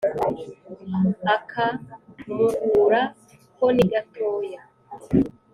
Aka Muhura ko ni gatoya.